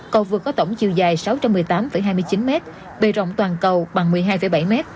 cầu vượt có tổng chiều dài sáu trăm một mươi tám hai mươi chín m bề rộng toàn cầu bằng một mươi hai bảy m